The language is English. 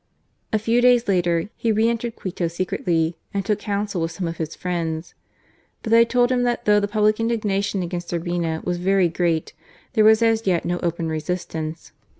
A few days later he re entered Quito secretly and took counsel with some of his friends. But they told him that though the public indignation against Urbina was very great there was as yet no open resistance.